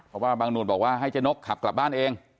เพราะว่าบางหนวดบอกว่าให้เจ๊นกขับกลับบ้านเอง